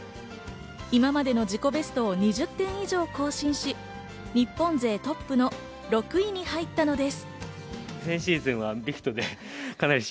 今までの自己ベストを２０点以上更新し、日本勢トップの６位に入ったのです。